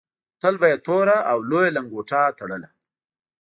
تل به یې توره او لویه لنګوټه تړله.